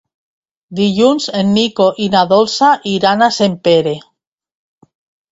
Dilluns en Nico i na Dolça iran a Sempere.